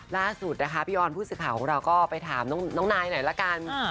ล่าสุดนะคะพี่ออนผู้สื่อข่าวของเราก็ไปถามน้องนายหน่อยละกัน